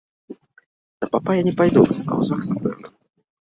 Да папа я не пайду, а ў загс напэўна.